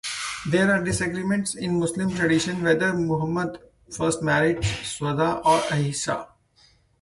There are disagreements in Muslim tradition whether Muhammad first married Sawda or Aisha.